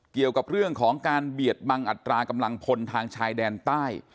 เกี่ยวกับเรื่องของการเบียดบังอัตรากำลังพลทางชายแดนใต้